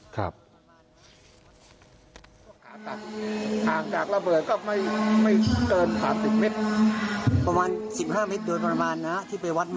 ครับ